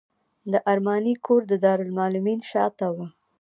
د ارماني کور د دارالمعلمین شاته و.